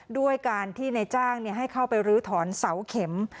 ด้วยการที่ในจ้างให้เข้าไปรื้อถอนเสาเข็ม